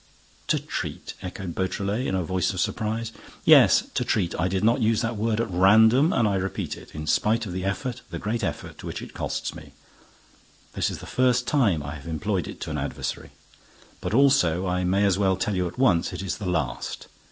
"To treat?" echoed Beautrelet, in a voice of surprise. "Yes, to treat. I did not use that word at random and I repeat it, in spite of the effort, the great effort, which it costs me. This is the first time I have employed it to an adversary. But also, I may as well tell you at once, it is the last.